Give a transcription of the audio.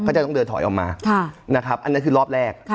ก็จะต้องเดินถอยออกมานะครับอันนั้นคือรอบแรก